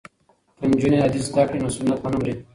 که نجونې حدیث زده کړي نو سنت به نه مري.